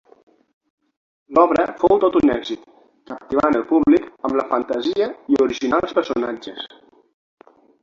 L'obra fou tot un èxit, captivant el públic amb la fantasia i originals personatges.